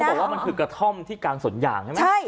บอกว่ามันคือกระท่อมที่กลางสวนยางใช่ไหม